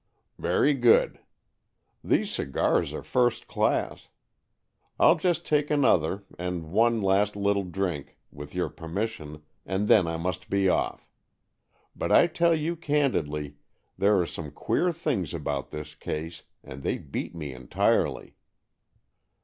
''Very good. These cigars are first class. Fll just take another and one last little drink, with your permission, and then I must be off. But I tell you candidly — there are some queer things about this case, and they beat me entirely."